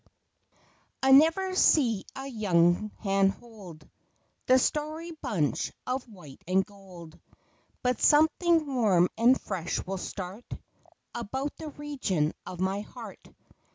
T NEVER see a young hand hold The starry bunch of white and gold, But something warm and fresh will start About the region of my heart.